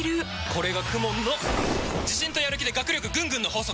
これがＫＵＭＯＮの自信とやる気で学力ぐんぐんの法則！